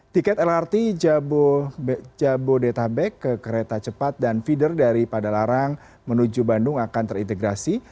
tiket lrt jabodetabek kereta cepat dan fider daripada larang menuju bandung akan terintegrasi